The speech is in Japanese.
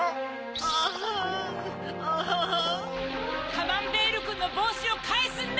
カマンベールくんのぼうしをかえすんだ！